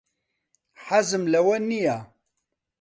حەزم لەوە نییە.